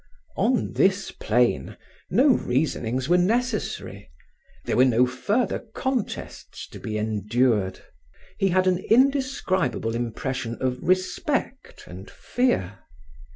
On this plane, no reasonings were necessary; there were no further contests to be endured. He had an indescribable impression of respect and fear.